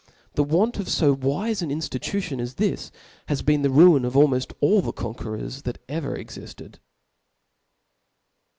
The want of fo wife an inftitution as this, has been the ruin of almpft all the con querors that ever exiftcd.